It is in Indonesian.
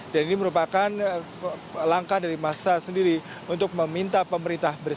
dan ini merupakan langkah dari massa sendiri untuk meminta pemerintah bersih